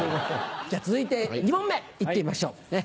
じゃあ続いて２問目行ってみましょう。